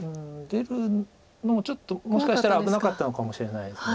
出るのもちょっともしかしたら危なかったのかもしれないです。